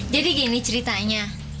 jadi gini ceritanya